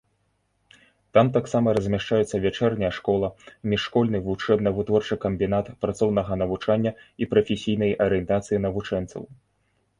Там таксама размяшчаюцца вячэрняя школа, міжшкольны вучэбна-вытворчы камбінат працоўнага навучання і прафесійнай арыентацыі навучэнцаў.